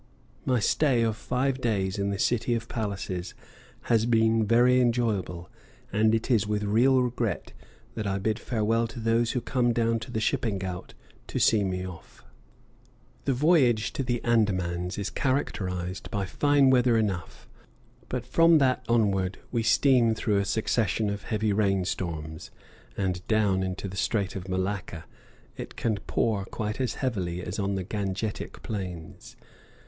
My stay of five days in the City of Palaces has been very enjoyable, and it is with real regret that I bid farewell to those who come down to the shipping ghaut to see me off. The voyage to the Andamans is characterized by fine weather enough; but from that onward we steam through a succession of heavy rain storms; and down in the Strait of Malacca it can pour quite as heavily as on the Gangetic plains.